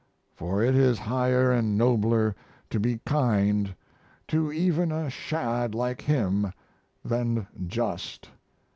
For it is higher & nobler to be kind to even a shad like him than just....